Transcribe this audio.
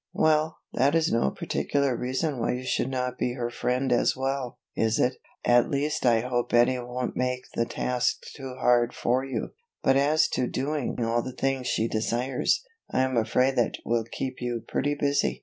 "Well, that is no particular reason why you should not be her friend as well, is it? At least I hope Betty won't make the task too hard for you, but as to doing all the things she desires, I am afraid that will keep you pretty busy.